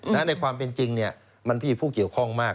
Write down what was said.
และในความเป็นจริงมันมีผู้เกี่ยวข้องมาก